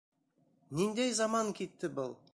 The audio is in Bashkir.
Ниндәй заман китте был?!